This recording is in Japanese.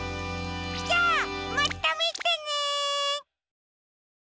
じゃあまたみてね！